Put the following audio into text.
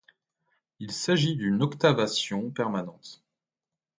Il s'agit d’une octaviation permanente.